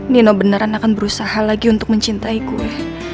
nino beneran akan berusaha lagi untuk mencintai gue